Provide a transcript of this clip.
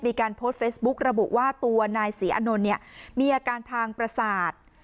มีการโพสต์เฟซบุ๊กระบุว่าตัวนายศรีอานนท์เนี่ยมีอาการทางประสาท